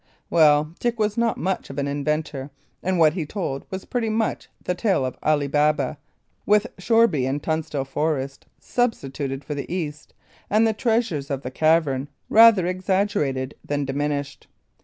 Well, Dick was not much of an inventor, and what he told was pretty much the tale of Ali Baba, with Shoreby and Tunstall Forest substituted for the East, and the treasures of the cavern rather exaggerated than diminished.